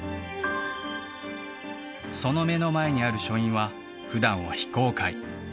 その目の前にある書院は普段は非公開